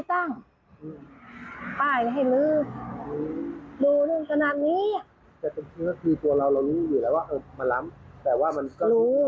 แต่ว่ามันก็นิดน้อยขอ